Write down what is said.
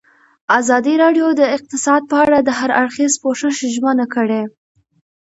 ازادي راډیو د اقتصاد په اړه د هر اړخیز پوښښ ژمنه کړې.